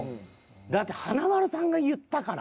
だって華丸さんが言ったから。